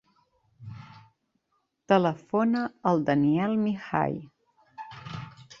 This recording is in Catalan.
Telefona al Daniel Mihai.